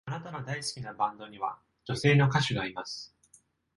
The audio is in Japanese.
あなたの大好きなバンドには、女性の歌手がいます。